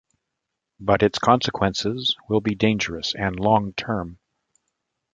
But its consequences will be dangerous and long-term.